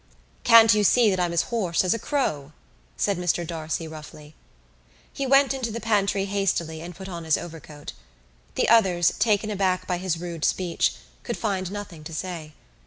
"Can't you see that I'm as hoarse as a crow?" said Mr D'Arcy roughly. He went into the pantry hastily and put on his overcoat. The others, taken aback by his rude speech, could find nothing to say.